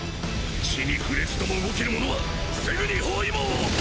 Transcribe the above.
地に触れずとも動ける者はすぐに包囲網をっ。